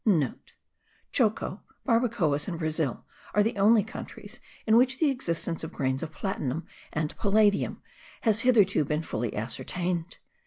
(* Choco, Barbacoas and Brazil are the only countries in which the existence of grains of platinum and palladium has hitherto been fully ascertained.